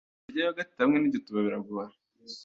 Kurya yogurt hamwe nigituba biragoye.